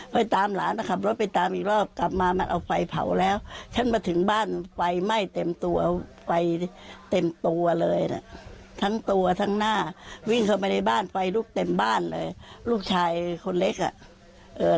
ไปที่บ้านไปรูปเต็มบ้านเลยลูกชายคนเล็กอะ